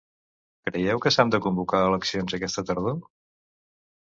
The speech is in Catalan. Creieu que s’han de convocar eleccions aquesta tardor?